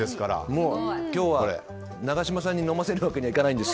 もう今日は永島さんに飲ませるわけにはいかないんで。